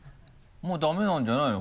もうダメなんじゃないの？